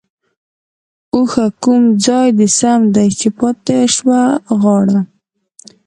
ـ اوښه کوم ځاى د سم دى ،چې پاتې شوه غاړه؟؟